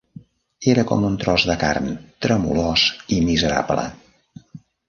Era com un tros de carn tremolós i miserable.